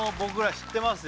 知ってます